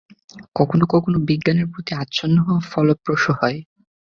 কখনো-কখনো বিজ্ঞানের প্রতি আচ্ছন্ন হওয়া ফলপ্রসূ হয়।